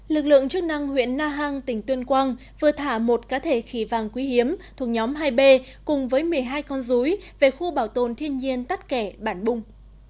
lực lượng chức năng huyện na hàng tỉnh tuyên quang vừa thả một cá thể khỉ vàng quý hiếm thuộc nhóm hai b cùng với một mươi hai con rúi về khu bảo tồn thiên nhiên tát kẻ bản bùng